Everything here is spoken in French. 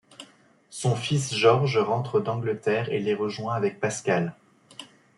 Son fils Georges rentre d'Angleterre et les rejoins avec Pascal.